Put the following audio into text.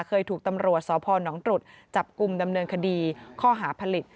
เคยถูกตำรวจสพนตรุษจับกลุ่มดำเนินคดีข้อหาผลิต